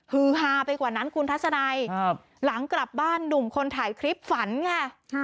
ฮือฮาไปกว่านั้นคุณทัศนัยหลังกลับบ้านหนุ่มคนถ่ายคลิปฝันค่ะ